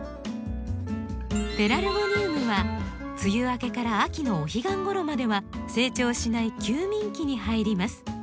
ペラルゴニウムは梅雨明けから秋のお彼岸ごろまでは成長しない休眠期に入ります。